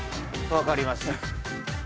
分かりました。